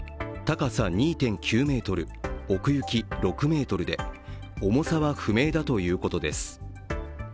倒れたケージは、高さ２．９ｍ奥行き６ｍで重さは不明だということです。